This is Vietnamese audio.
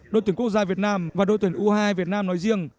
đội tuyển quốc gia việt nam và đội tuyển u hai mươi hai việt nam nói riêng